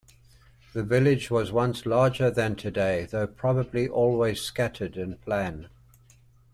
The village was once larger than today, though probably always scattered in plan.